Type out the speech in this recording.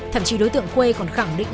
thậm chí đối tượng khuê còn khẳng định